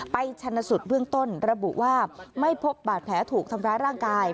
ชนสูตรเบื้องต้นระบุว่าไม่พบบาดแผลถูกทำร้ายร่างกาย